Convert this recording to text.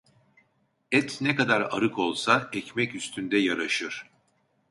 Et ne kadar arık olsa ekmek üstünde yaraşır.